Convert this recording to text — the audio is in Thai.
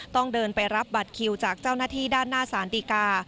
ต้องเดินไปรับบัตรคิวจากเจ้าหน้าที่ด้านหน้าสารดีกา